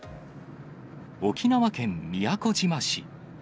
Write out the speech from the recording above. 沖縄県宮古島市。